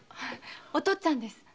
お父っつぁんです。